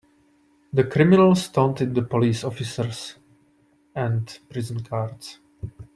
The criminals taunted the police officers and prison guards.